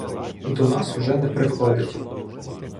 До нас уже не приходить.